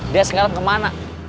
dia segera ke mana